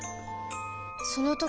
その時